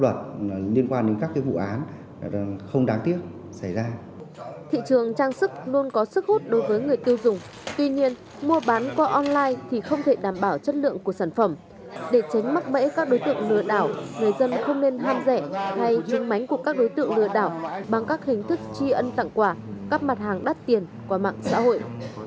để tránh mắc mẽ các đối tượng lừa đảo người dân không nên ham rẻ hay hình mánh của các đối tượng lừa đảo bằng các hình thức chi ân tặng quà các mặt hàng đắt tiền qua mạng xã hội